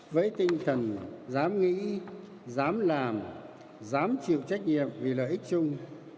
với tinh thần dám nghĩ dám làm dám chịu trách nhiệm vì lợi ích chung